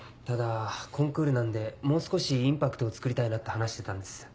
ただコンクールなんでもう少しインパクトをつくりたいなって話してたんです。